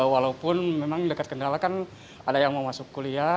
walaupun memang dekat kendala kan ada yang mau masuk kuliah